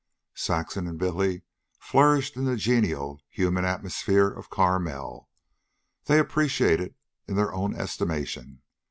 Saxon and Billy flourished in the genial human atmosphere of Carmel. They appreciated in their own estimation.